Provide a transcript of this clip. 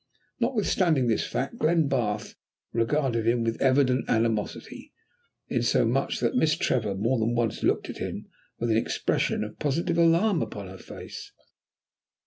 Notwithstanding this fact, Glenbarth regarded him with evident animosity, insomuch that Miss Trevor more than once looked at him with an expression of positive alarm upon her face.